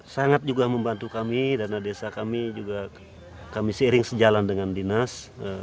sangat juga membantu kami dana desa kami juga kami seiring sejalan dengan dinas